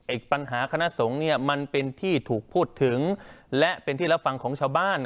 ปัญหาคณะสงฆ์เนี่ยมันเป็นที่ถูกพูดถึงและเป็นที่รับฟังของชาวบ้าน